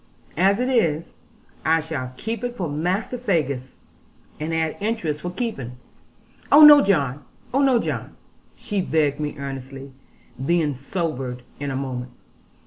As it is, I shall keep it for Master Faggus, and add interest for keeping.' 'Oh no, John; oh no, John,' she begged me earnestly, being sobered in a moment.